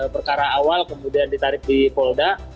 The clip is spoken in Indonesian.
perkara awal kemudian ditarik di polda